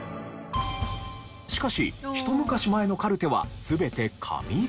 しかしひと昔前のカルテは全て紙で。